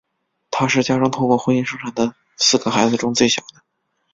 他是家中透过婚姻生产的四个孩子中最小的。